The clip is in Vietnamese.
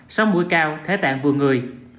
sóng mũi cao thế tạng vừa người